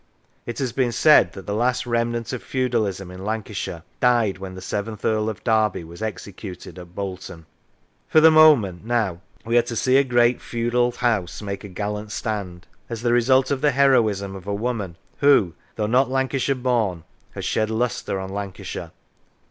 It has been said that the last remnant of feudalism in Lancashire died when the seventh Earl of Derby was executed at Bolton. For the moment now we are to see a great feudal house make a gallant stand, as the result of the heroism of a woman who, though not Lancashire born, has shed lustre on Lancashire.